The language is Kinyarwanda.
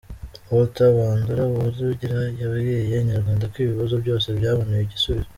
Walter Bandora Uwarugira yabwiye Inyarwanda ko ibi bibazo byose byabonewe igisubizo.